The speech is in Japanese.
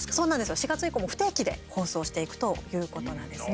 ４月以降も不定期で放送していくということなんですね。